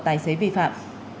tài xế vi phạm